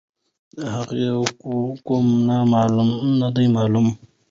د هغې قوم نه دی معلوم.